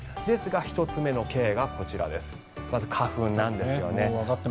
ですが、１つ目のＫがこちらまず花粉なんですよね。